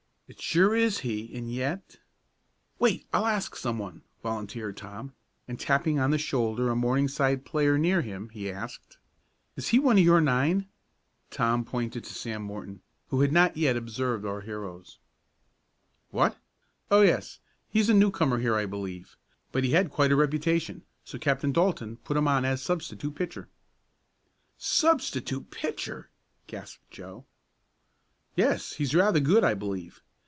It sure is he, and yet " "Wait, I'll ask some one," volunteered Tom, and tapping on the shoulder a Morningside player near him, he asked: "Is he one of your nine?" Tom pointed to Sam Morton, who had not yet observed our heroes. "What? Oh, yes; he's a newcomer here I believe, but he had quite a reputation, so Captain Dalton put him on as substitute pitcher." "Substitute pitcher!" gasped Joe. "Yes, he's rather good I believe.